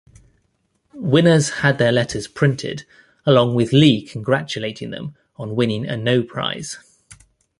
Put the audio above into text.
Winners had their letters printed along with Lee congratulating them on winning a No-Prize.